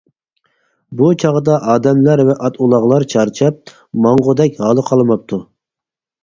بۇ چاغدا ئادەملەر ۋە ئات-ئۇلاغلار چارچاپ، ماڭغۇدەك ھالى قالماپتۇ.